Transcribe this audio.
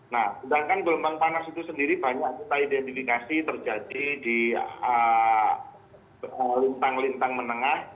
nah sedangkan gelombang panas itu sendiri banyak kita identifikasi terjadi di lintang lintang menengah